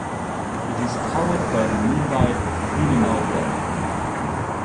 It is powered by the nearby Friedenau Dam.